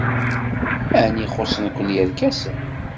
Ɛni xuṣṣen-ken yerkasen?